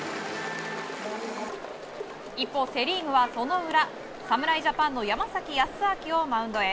一方セ・リーグは、その裏侍ジャパンの山崎康晃をマウンドへ。